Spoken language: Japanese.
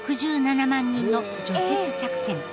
６７万人の除雪作戦。